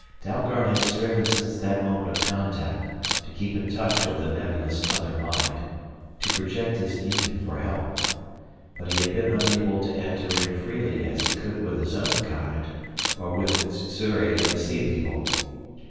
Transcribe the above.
Dalgard had striven since that moment of contact to keep in touch with the nebulous other mind, to project his need for help. But he had been unable to enter in freely as he could with his own kind, or with Sssuri and the sea people.